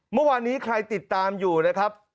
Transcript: เมื่อวานนี้ใครติดตามอยู่นะครับ